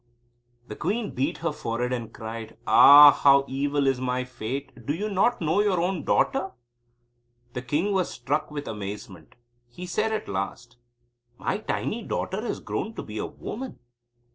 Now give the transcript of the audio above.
The queen beat her forehead, and cried: "Ah, how evil is my fate! Do you not know your own daughter?" The king was struck with amazement. He said at last; "My tiny daughter has grown to be a woman."